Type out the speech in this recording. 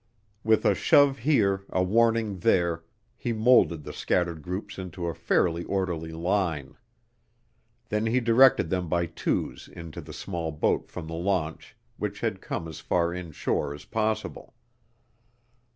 With a shove here, a warning there, he moulded the scattered groups into a fairly orderly line. Then he directed them by twos into the small boat from the launch, which had come as far inshore as possible.